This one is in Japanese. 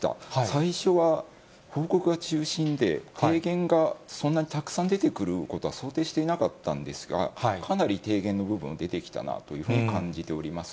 最初は報告が中心で、提言がそんなにたくさん出てくることは想定していなかったんですが、かなり提言の部分、出てきたなというふうに感じております。